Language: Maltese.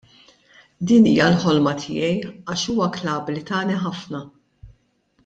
Din hija l-ħolma tiegħi għax huwa klabb li tani ħafna.